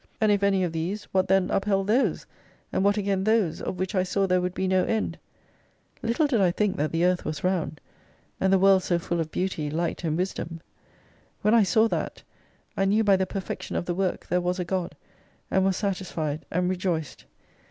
And if any of these, what then upheld those, and what again those, of which T saw there wotild be no end? Little did I think that the Earth was round, and the world so full of beauty, light, and wisdom. When I saw that, I knew by the perfection of the work there was a God, and was satis fied, and rejoiced.